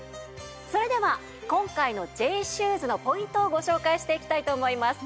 それでは今回のＪシューズのポイントをご紹介していきたいと思います。